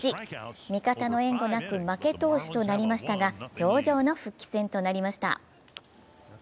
味方の援護なく負け投手となりましたが上々の復帰戦となりました。